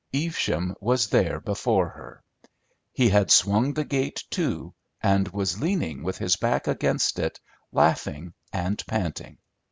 Evesham was there before her. He had swung the gate to and was leaning with his back against it, laughing and panting.